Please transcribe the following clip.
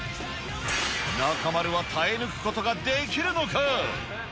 中丸は耐え抜くことができるのか？